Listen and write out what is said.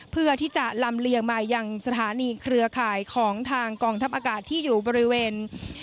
เพื่อที่จะลำเลียงมายังสถานีเครือข่ายของทางกองทัพอากาศที่อยู่บริเวณ